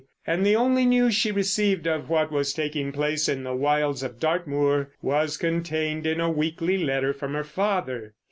And the only news she received of what was taking place in the wilds of Dartmoor was contained in a weekly letter from her father.